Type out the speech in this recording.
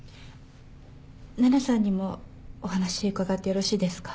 奈々さんにもお話伺ってよろしいですか？